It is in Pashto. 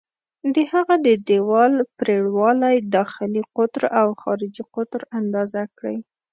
د هغه د دیوال پرېړوالی، داخلي قطر او خارجي قطر اندازه کړئ.